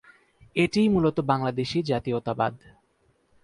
এটিই মুলত বাংলাদেশী জাতীয়তাবাদ।